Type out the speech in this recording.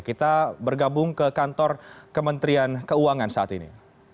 kita bergabung ke kantor kementerian keuangan saat ini